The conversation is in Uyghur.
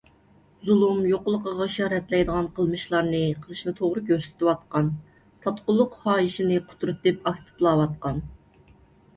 زۇلۇم يوقلىقىغا ئىشارەتلەيدىغان قىلمىشلارنى قىلىشنى توغرا كۆرسىتىۋاتقان، ساتقۇنلۇق خاھىشىنى قۇترىتىپ ئاكتىپلاۋاتقان.